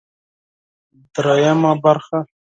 درېيمه برخه